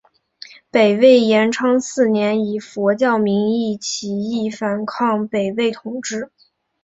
北魏延昌四年以佛教名义起兵反抗北魏统治。